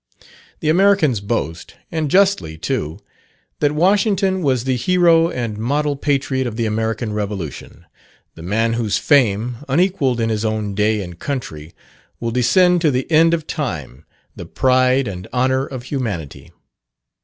The Americans boast, and justly, too, that Washington was the hero and model patriot of the American Revolution the man whose fame, unequalled in his own day and country, will descend to the end of time, the pride and honour of humanity.